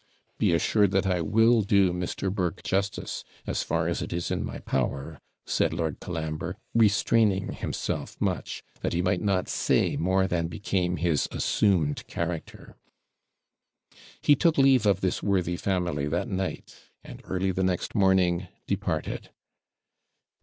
'Be assured that I will do Mr. Burke justice as far as it is in my power,' said Lord Colambre, restraining himself much, that he might not say more than became his assumed character. He took leave of this worthy family that night, and, early the next morning, departed.